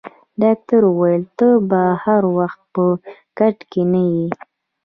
ډاکټر وویل: ته به هر وخت په کټ کې نه یې.